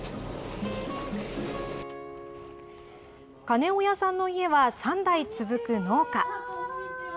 金親さんの家は３代続く農家。